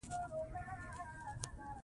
مېوې د افغانانو د ژوند طرز اغېزمنوي.